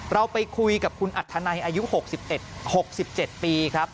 เราไปคุยกับคุณอัธนัยอายุ๖๑๖๗ปีครับ